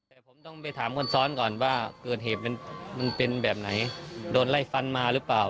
แต่ผมต้องไปถามคนซ้อนก่อนว่าเกิดเหตุมันเป็นแบบไหนโดนไล่ฟันมาหรือเปล่า